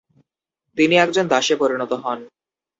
তিনি একজন দাসে পরিণত হন।